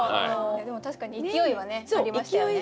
いやでも確かに勢いはねありましたよね。